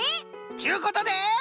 っちゅうことで。